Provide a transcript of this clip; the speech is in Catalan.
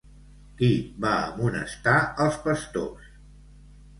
Qui va amonestar els pastors?